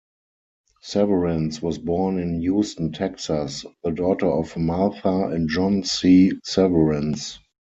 Severance was born in Houston, Texas, the daughter of Martha and John C. Severance.